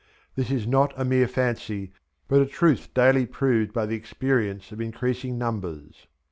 This is not a mere fancy but a truth daily proved by the experience of increasing numbers.